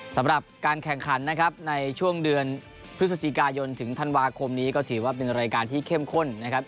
สำหรับการแข่งขันนะครับในช่วงเดือนพฤศจิกายนถึงธันวาคมนี้ก็ถือว่าเป็นรายการที่เข้มข้นนะครับ